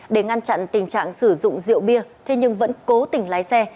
để ngăn chặn tình trạng sử dụng rượu bia thế nhưng vẫn cố tình lái xe